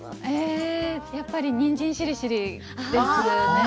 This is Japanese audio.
やっぱりにんじんしりしりですね。